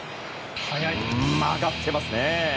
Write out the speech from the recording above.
曲がってますね。